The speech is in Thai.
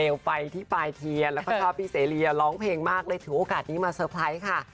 แล้วก็ขอบพี่เสรียร้องเพลงมากเลยถือโอกาสนี้มาเซอร์ไพรส์ค่ะ